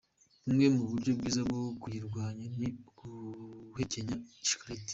Bumwe mu buryo bwiza bwo kuyirwanya ni uguhekenya shikarete.